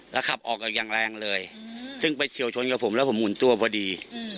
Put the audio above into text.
แล้วขับออกจากอย่างแรงเลยซึ่งไปเฉียวชนกับผมแล้วผมหมุนตัวพอดี